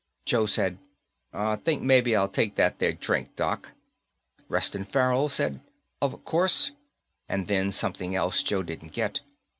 Joe said, "I think maybe I'll take that there drink, Doc." Reston Farrell said, "Of course," and then something else Joe didn't get.